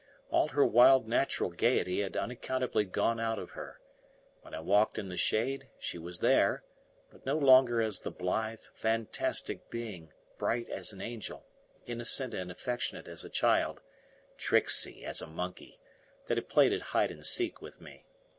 All her wild natural gaiety had unaccountably gone out of her: when I walked in the shade she was there, but no longer as the blithe, fantastic being, bright as an angel, innocent and affectionate as a child, tricksy as a monkey, that had played at hide and seek with me.